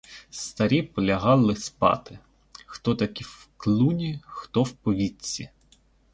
Старі полягали спати: хто таки в клуні, хто в повітці.